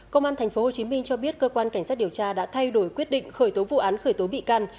công an tp hcm cho biết cơ quan cảnh sát điều tra đã thay đổi quyết định khởi tố vụ án khởi tố bị can